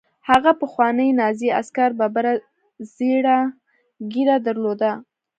هغه پخواني نازي عسکر ببره زیړه ږیره درلوده